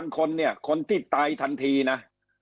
๑๔๐๐๐คนคนที่ตายทันทีนะ